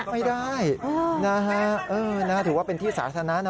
ไม่ได้นะฮะถือว่าเป็นที่สาธารณะนะ